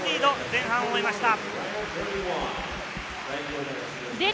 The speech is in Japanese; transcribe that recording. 前半を終えました。